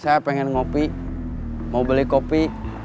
saya pengen ngopi mau beli kopi